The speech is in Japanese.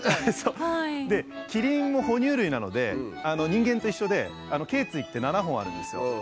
キリンも哺乳類なので人間と一緒でけい椎って７本あるんですよ。